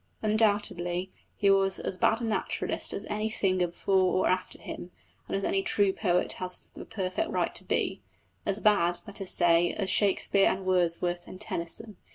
Undoubtedly he was as bad a naturalist as any singer before or after him, and as any true poet has a perfect right to be. As bad, let us say, as Shakespeare and Wordsworth and Tennyson.